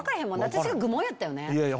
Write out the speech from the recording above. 私が愚問やったよね。